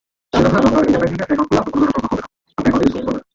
তা নাহলে পরবর্তী কল রোলেক্সের থেকে পাবে।